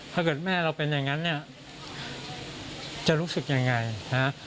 ถ้าเกิดแม่เราเป็นอย่างนั้นเนี่ยจะรู้สึกยังไงนะ